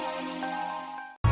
engkak pernah di sana